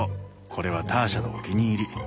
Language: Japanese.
これはターシャのお気に入り。